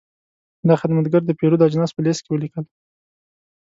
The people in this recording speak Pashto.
دا خدمتګر د پیرود اجناس په لېست کې ولیکل.